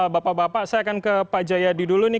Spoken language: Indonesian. bapak bapak saya akan ke pak jayadi dulu nih